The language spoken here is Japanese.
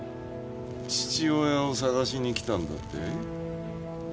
父親を探しに来たんだって？